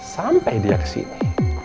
sampai dia kesini